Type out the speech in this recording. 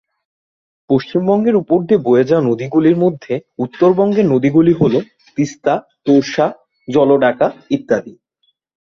পশ্চিমবঙ্গের উপর দিয়ে বয়ে যাওয়া নদীগুলির মধ্যে উত্তরবঙ্গের নদীগুলি হল তিস্তা, তোর্সা, জলডাকা ইত্যাদি।